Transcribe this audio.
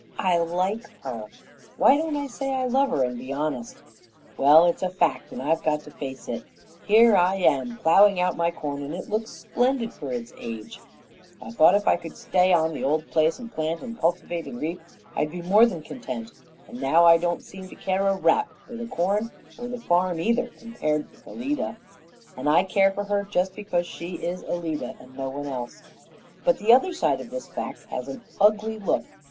I like her. Why don't I say love her, and be honest? Well, it's a fact, and I've got to face it. Here I am, plowing out my corn, and it looks splendid for its age. I thought if I could stay on the old place, and plant and cultivate and reap, I'd be more than content, and now I don't seem to care a rap for the corn or the farm either, compared with Alida; and I care for her just because she is Alida and no one else. But the other side of this fact has an ugly look.